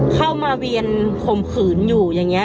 เข้ามาเวียนพ่มขืนอยู่อย่าง